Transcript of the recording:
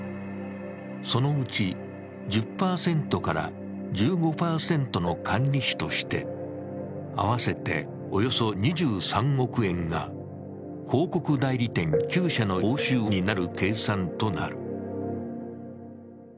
そのうち１０１５％の管理費として合わせておよそ２３億円が広告代理店９社の報酬になる計算となる。